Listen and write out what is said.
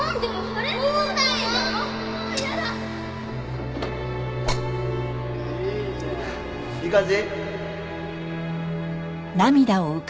いい感じ？